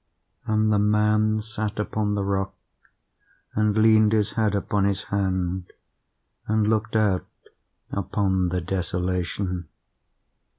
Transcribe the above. "And the man sat upon the rock, and leaned his head upon his hand, and looked out upon the desolation.